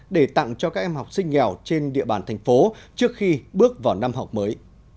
để tặng cho các em học sinh nghèo trên địa bàn thành phố trước khi bước vào năm học mới